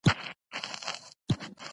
• شین چای د غاښونو لپاره ګټور دی.